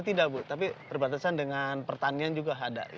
tidak bu tapi berbatasan dengan pertanian juga ada